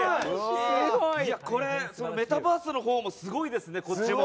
これ、メタバースのほうもすごいですね。